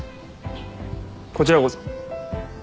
こちらこそ。